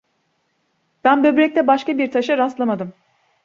Ben böbrekte başka bir taşa rastlamadım.